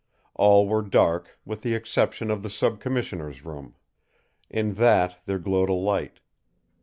All were dark with the exception of the sub commissioner's room. In that there glowed a light.